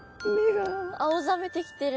青ざめてきてる。